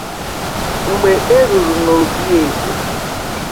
Mgbe e ruru n’obi eze